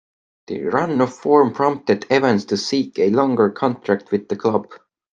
The run of form prompted Evans to seek a longer contract with the club.